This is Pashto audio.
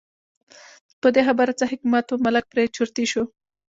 په دې خبره کې څه حکمت و، ملک پرې چرتي شو.